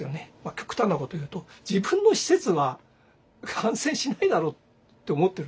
極端なことを言うと自分の施設は感染しないだろうって思ってる。